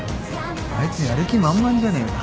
あいつやる気満々じゃねえか。